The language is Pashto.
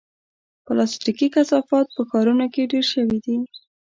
پلاستيکي کثافات په ښارونو کې ډېر شوي دي.